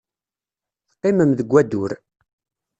Teqqimem deg wadur.